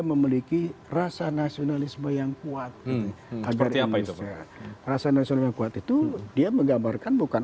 memiliki rasa nasionalisme yang kuat agar indonesia rasa nasional yang kuat itu dia menggambarkan bukan